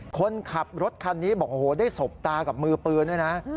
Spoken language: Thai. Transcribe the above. คนขับรถคันนี้บอกโอ้โหได้สบตากับมือปืนด้วยนะ